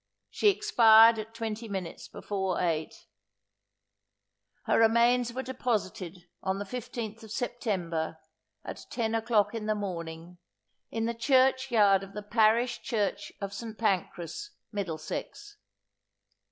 She expired at twenty minutes before eight. Her remains were deposited, on the fifteenth of September, at ten o'clock in the morning, in the church yard of the parish church of St. Pancras, Middlesex.